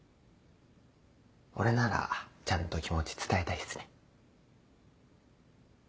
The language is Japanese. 俺ならちゃんと気持ち伝えたいっすね。